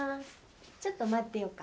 ちょっと待ってようか。